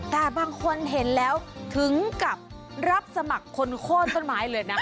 แต่บางคนเห็นแล้วถึงกับรับสมัครคนโค้นต้นไม้เลยนะ